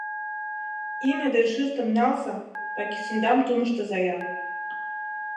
Име ден шӱртым налза да кӱсендам тумыштыза-ян!